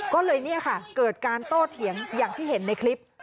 ก็เลยเนี่ยค่ะเกิดการโต้เถียงอย่างที่เห็นในคลิป